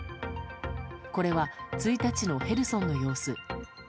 これは、１日のヘルソンの様子。